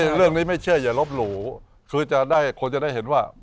คือเรื่องนี้ไม่เชื่ออย่าลบหลู่คือจะได้คนจะได้เห็นว่า